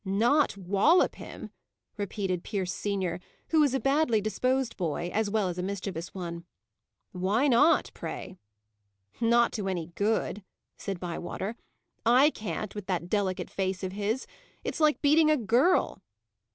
"Not wallop him!" repeated Pierce senior, who was a badly disposed boy, as well as a mischievous one. "Why not, pray?" "Not to any good," said Bywater. "I can't, with that delicate face of his. It's like beating a girl."